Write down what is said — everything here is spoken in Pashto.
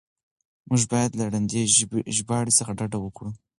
موږ بايد له ړندې ژباړې څخه ډډه وکړو.